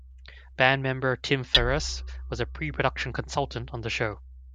Band member Tim Farriss was a pre-production consultant on the show.